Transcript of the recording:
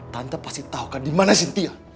tante pasti tahukan dimana sintia